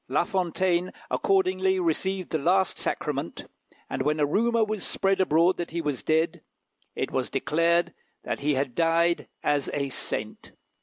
La Fontaine accordingly received the last sacrament; and when a rumour was spread abroad that he was dead, it was declared that he had died as a saint.